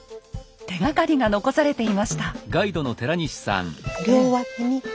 手がかりが残されていました。